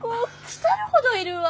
腐るほどいるわ。